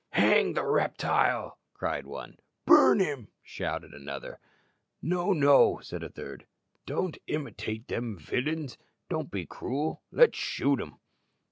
"Hang the reptile!" cried one. "Burn him!" shouted another. "No, no," said a third; "don't imitate them villains: don't be cruel. Let's shoot him."